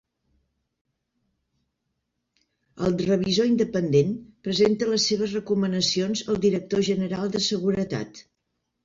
El revisor independent presenta les seves recomanacions al director general de Seguretat.